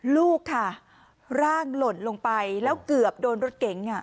ลูกค่ะร่างหล่นลงไปแล้วเกือบโดนรถเก๋ง